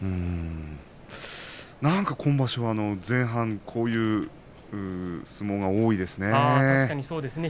今場所は前半こういう相撲が多いですね。